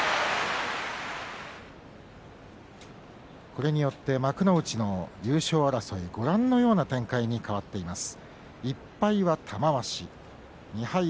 これによって幕内の優勝争いご覧のような展開に変わっています。